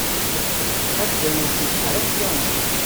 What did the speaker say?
Anda yewwet ubeḥri ad t-yawi.